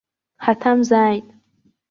Ҳаҭамзааит!